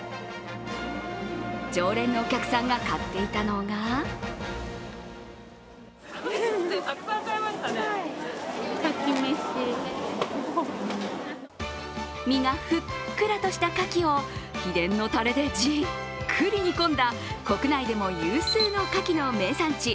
常連のお客さんが買っていたのが身がふっくらとしたかきを秘伝のたれでじっくり煮込んだ国内でも有数のかきの名産地